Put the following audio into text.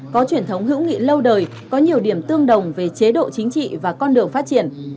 có truyền thống hữu nghị lâu đời có nhiều điểm tương đồng về chế độ chính trị và con đường phát triển